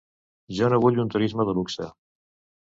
Jo no vull un turisme de luxe.